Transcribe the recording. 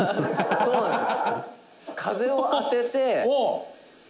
「そうなんですよ」